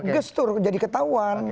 gestur jadi ketahuan